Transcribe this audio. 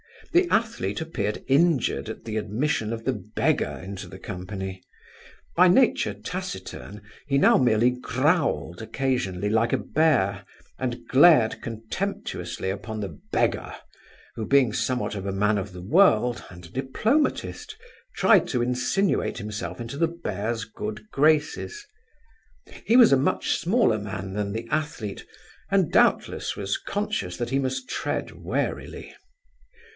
The athlete appeared injured at the admission of the "beggar" into the company. By nature taciturn, he now merely growled occasionally like a bear, and glared contemptuously upon the "beggar," who, being somewhat of a man of the world, and a diplomatist, tried to insinuate himself into the bear's good graces. He was a much smaller man than the athlete, and doubtless was conscious that he must tread warily.